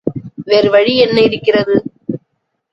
வேறு வழி என்ன இருக்கிறது?